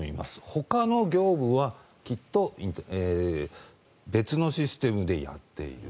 ほかの業務はきっと別のシステムでやっている。